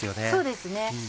そうですね